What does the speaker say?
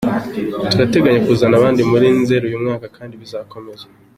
Turateganya kuzana abandi muri Nzeri uyu mwaka, kandi bizakomeza”.